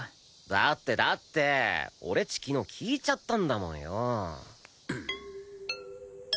だってだって俺っち昨日聞いちゃったんだもんよー！